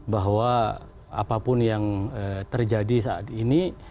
bahwa apapun yang terjadi saat ini